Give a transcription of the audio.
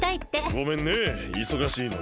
ごめんねいそがしいのに。